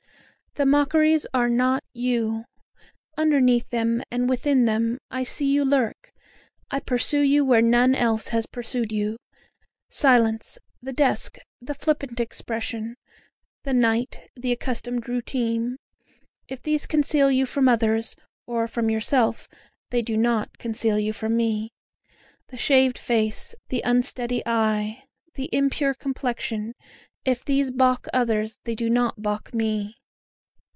The mockeries are not you; Underneath them, and within them, I see you lurk; I pursue you where none else has pursued you; Silence, the desk, the flippant expression, the night, the accustomed routine, if these conceal you from others, or from yourself, they do not conceal you from me; The shaved face, the unsteady eye, the impure complexion, if these baulk others, they do not baulk me.